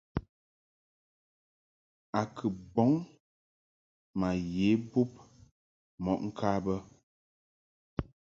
A kɨ bɔŋ ma ye bub mɔʼ ŋka bə.